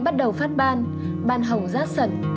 bắt đầu phát ban ban hồng rác sẩn